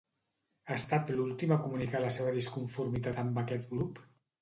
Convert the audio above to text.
Ha estat l'últim a comunicar la seva disconformitat amb aquest grup?